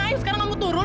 ayo sekarang kamu turun